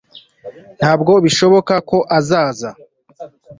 Ntabwo bishoboka ko azaza